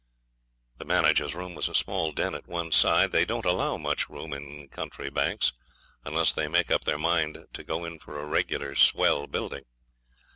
The manager's room was a small den at one side. They don't allow much room in country banks unless they make up their mind to go in for a regular swell building.